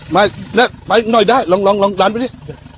ไม่เนี่ยไปหน่อยได้ลองลองลองลองดันไปนี่